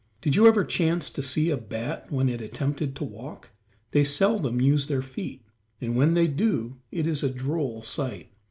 Did you ever chance to see a bat when it attempted to walk? They seldom use their feet, and when they do it is a droll sight.